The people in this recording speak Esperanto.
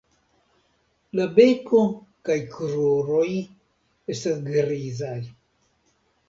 La beko kaj kruroj estas grizaj.